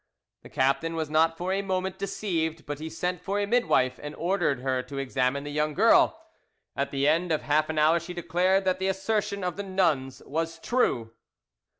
The captain was not for a moment deceived, but he sent for a midwife and ordered her to examine the young girl. At the end of half an hour she declared that the assertion of the nuns was true.